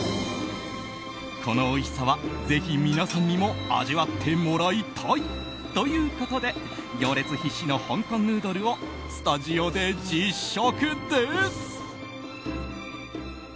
このおいしさは、ぜひ皆さんにも味わってもらいたい！ということで、行列必至の香港ヌードルをスタジオで実食です。